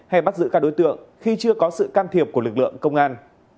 hay bắt giữ các đối tượng khi chưa có sự can thiệp của lực lượng công an